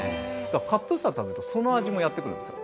カップスター食べるとその味もやって来るんですよ。